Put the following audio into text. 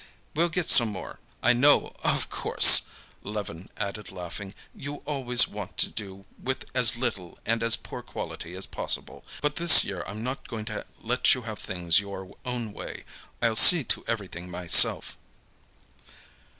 "We'll get some more. I know, of course," Levin added laughing, "you always want to do with as little and as poor quality as possible; but this year I'm not going to let you have things your own way. I'll see to everything myself."